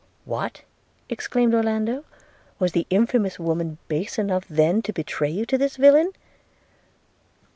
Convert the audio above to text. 'What!' exclaimed Orlando, 'was the infamous woman base enough then to betray you to this villain?'